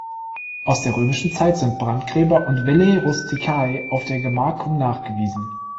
Aus der römischen Zeit sind Brandgräber und Villae rusticae auf der Gemarkung nachgewiesen.